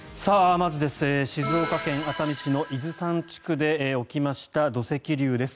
まず静岡県熱海市の伊豆山地区で起きました土石流です。